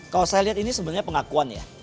kalau saya lihat ini sebenarnya pengakuan ya